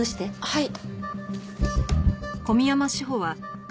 はい。